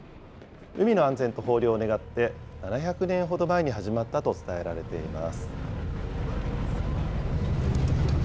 海の安全と豊漁を願って７００年ほど前に始まったと伝えられています。